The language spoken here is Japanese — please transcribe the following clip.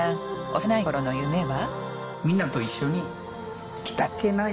幼いころの夢は？